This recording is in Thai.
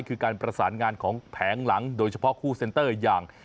คือการประสานงานของแผงหลังโดยเฉพาะคู่เซ็นเตอร์อย่าง